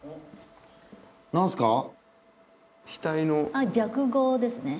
あっ白毫ですね。